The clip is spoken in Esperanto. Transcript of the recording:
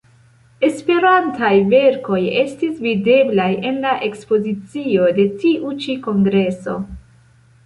Esperantaj verkoj estis videblaj en la ekspozicio de tiu ĉi kongreso.